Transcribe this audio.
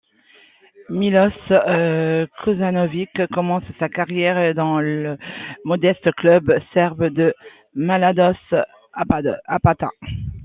Miloš Kosanović commence sa carrière dans le modeste club serbe du Mladost Apatin.